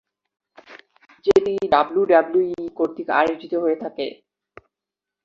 যেটি ডাব্লিউডাব্লিউই কর্তৃক আয়োজিত হয়ে থাকে।